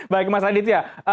baik mas aditya